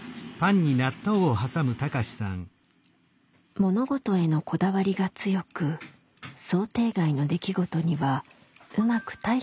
物事へのこだわりが強く想定外の出来事にはうまく対処できない貴志さん。